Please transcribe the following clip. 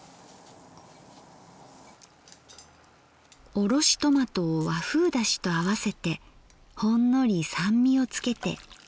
おろしトマトを和風だしと合わせてほんのり酸味をつけて。